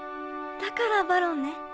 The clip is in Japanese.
だからバロンね。